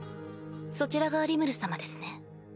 そちらがリムル様ですね？